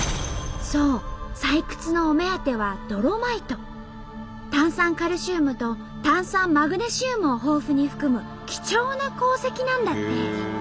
そう採掘のお目当ては炭酸カルシウムと炭酸マグネシウムを豊富に含む貴重な鉱石なんだって。